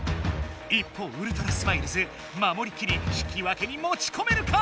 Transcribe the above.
一方ウルトラスマイルズまもりきり引き分けにもちこめるか？